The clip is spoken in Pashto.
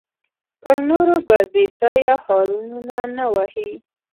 پر نورو به بېځایه هارنونه نه وهې.